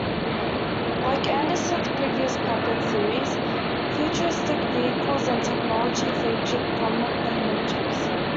Like Anderson's previous puppet series, futuristic vehicles and technology featured prominently in each episode.